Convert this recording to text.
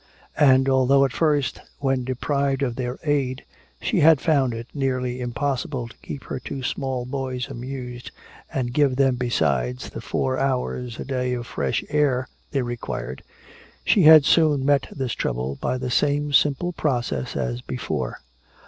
And although at first, when deprived of their aid, she had found it nearly impossible to keep her two small boys amused and give them besides the four hours a day of fresh air they required, she had soon met this trouble by the same simple process as before.